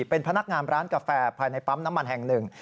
เป็นพนักงานร้านกาแฟภายในปั๊มน้ำมันแห่งหนึ่ง